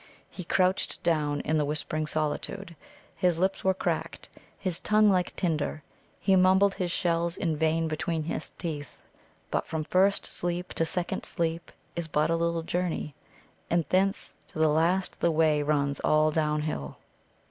He crouched down in the whispering solitude. His lips were cracked, his tongue like tinder. He mumbled his shells in vain between his teeth. But from first sleep to the second sleep is but a little journey, and thence to the last the way runs all downhill.